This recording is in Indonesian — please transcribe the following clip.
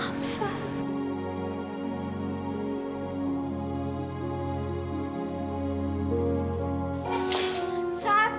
aku suka sama andre